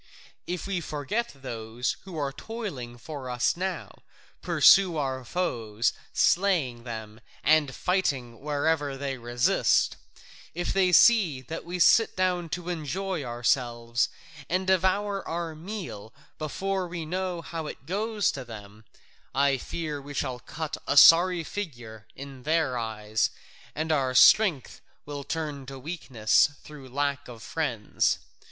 If we forget those who are toiling for us now, pursuing our foes, slaying them, and fighting wherever they resist, if they see that we sit down to enjoy ourselves and devour our meal before we know how it goes with them, I fear we shall cut a sorry figure in their eyes, and our strength will turn to weakness through lack of friends.